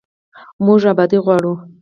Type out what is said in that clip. موږ ابادي غواړو